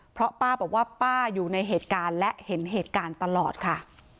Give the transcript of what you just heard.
เพราะป้าบอกว่าป้าอยู่ในเหตุการณ์และเห็นเหตุการณ์ตลอดค่ะ